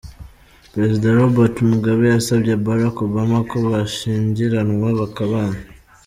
Perezida Robert Mugabe yasabye Barack Obama ko bashyingiranwa bakabana.